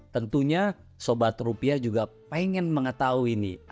tentunya sobat rupiah juga pengen mengetahui ini